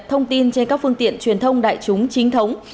thông tin trên các phương tiện truyền thông đại chúng chính thống